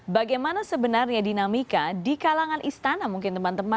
bagaimana sebenarnya dinamika di kalangan istana mungkin teman teman